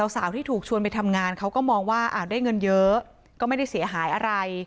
สาวที่ถูกชวนไปทำงานเขาก็มองว่าได้เงินเยอะก็ไม่ได้เสียหายอะไร